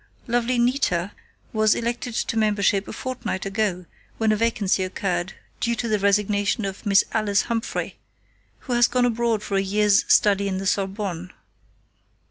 "Lovely 'Nita' was elected to membership a fortnight ago, when a vacancy occurred, due to the resignation of Miss Alice Humphrey, who has gone abroad for a year's study in the Sorbonne.